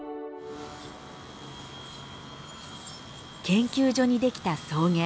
研究所にできた草原。